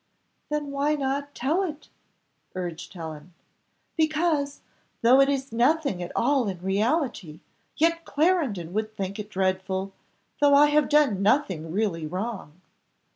"Then why not tell it?" urged Helen. "Because, though it is nothing at all in reality, yet Clarendon would think it dreadful though I have done nothing really wrong."